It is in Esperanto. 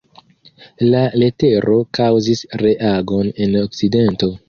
La letero kaŭzis reagon en Okcidento.